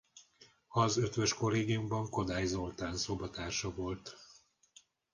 Az Eötvös Kollégiumban Kodály Zoltán szobatársa volt.